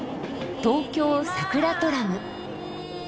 東京さくらトラム。